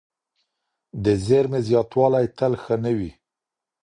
د زیرمې زیاتوالی تل ښه نه وي.